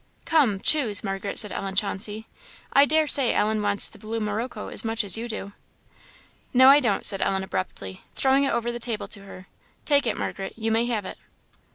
"Come, choose, Margaret," said Ellen Chauncey; "I dare say Ellen wants the blue morocco as much as you do." "No, I don't!" said Ellen, abruptly, throwing it over the table to her; "take it, Margaret, you may have it."